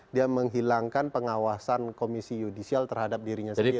dia menghilangkan pengawasan komisi yudisial terhadap dirinya sendiri